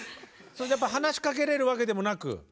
それでやっぱ話しかけれるわけでもなく？